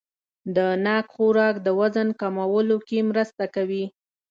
د ناک خوراک د وزن کمولو کې مرسته کوي.